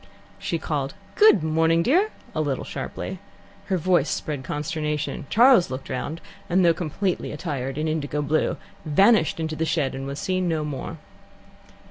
She called, "Good morning, dear," a little sharply. Her voice spread consternation. Charles looked round, and though completely attired in indigo blue, vanished into the shed, and was seen no more.